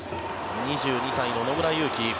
２２歳の野村佑希。